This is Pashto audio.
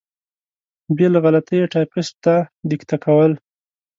بې له غلطۍ یې ټایپېسټ ته دیکته کول.